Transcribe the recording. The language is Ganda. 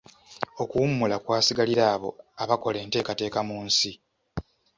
Okuwummula kwasigalira abo abakola enteekateeka mu nsi.